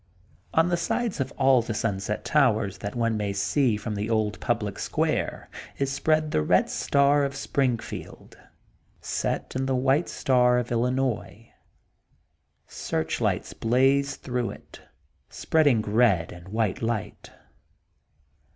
On the sides of all the Sunset Towers that one may see from the old public square is spread the Bed Star of Springfield, set in the White Star of Illi nois. Searchlights blaze through it, spreading red and white li^ht.